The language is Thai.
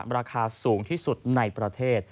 ราคาสูงที่สุดในประเทศ